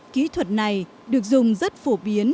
kỹ thuật này được dùng rất phổ biến